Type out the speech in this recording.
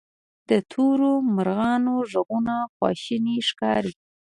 د تورو مرغانو ږغونه خواشیني ښکاري.